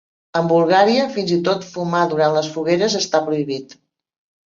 En Bulgària, fins i tot fumar durant les fogueres està prohibit.